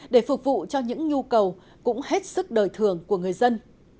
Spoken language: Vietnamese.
để phục vụ cho những nhu cầu cũng hết sức đời thường của người dân